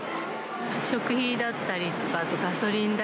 食費だったりとか、あとガソリン代。